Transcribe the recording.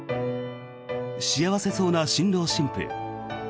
幸せそうな新郎新婦。